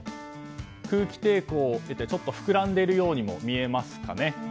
空気抵抗を受けてちょっと膨らんでいるようにも見えますかね。